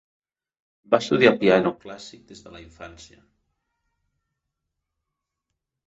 Va estudiar piano clàssic des de la infància.